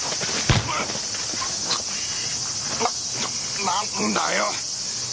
な何だよ！？